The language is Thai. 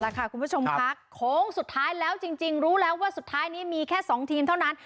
คุณผู้ชมค่ะโค้งสุดท้ายแล้วจริงรู้แล้วว่าสุดท้ายนี้มีแค่๒ทีมเท่านั้น